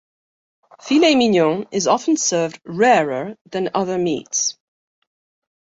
Filet mignon is often served rarer than other meats.